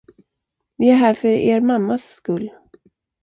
Vi är här för er mammas skull.